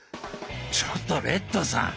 ちょっとレッドさん！